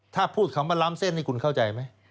ถ้าพูดคำว่าล้ำเส้นนี่คุณเข้าใจไหม